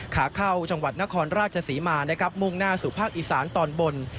ขาเข้าจังหวัดนครราชศรีมานะครับมุ่งหน้าสู่ภาคอีสานตอนบน